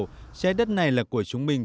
trái đất này là của chúng mình